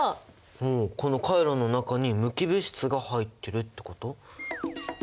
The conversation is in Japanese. このカイロの中に無機物質が入ってるってこと？